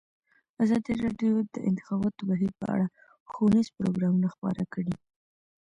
ازادي راډیو د د انتخاباتو بهیر په اړه ښوونیز پروګرامونه خپاره کړي.